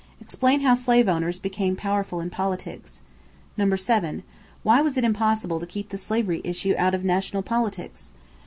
Explain how slave owners became powerful in politics. 7. Why was it impossible to keep the slavery issue out of national politics?